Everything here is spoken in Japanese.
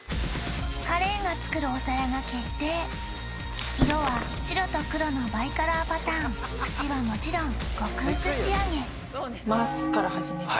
カレンが作るお皿が決定色は白と黒のバイカラーパターン縁はもちろん極薄仕上げ回すから始める？